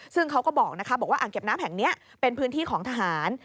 ซึ่งเขาก็บอกว่าอ่างเก็บน้ำแห่งนี้เป็นพื้นที่ของทหาร